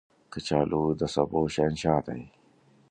کچالو د سبو شهنشاه دی